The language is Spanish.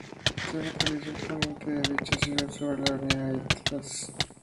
Se localiza al poniente de dicha ciudad, sobre la avenida Itzáes.